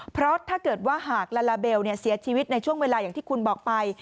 เพราะถ้าเกิดว่าหากลาลาเบลเสียชีวิตในช่วงเวลาอย่างที่คุณบอกไป